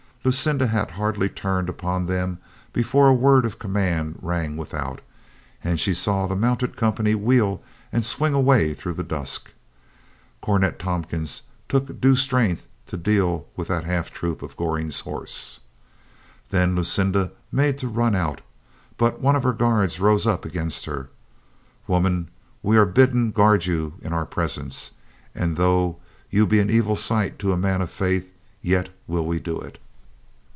Lucinda had hardly turned upon them before a word of command rang without, and she saw the mounted company wheel and swing away through the dusk. Cornet Tomp TOMPKINS SNAPS AT A SHADOW 93 kins took due strength to deal with that half troop of Goring's horse. Then Lucinda made to run out, but one of her guards rose up against her. "Woman, we are bidden guard you in our presence, and though you be an evil sight to a man of faith, yet will we do it."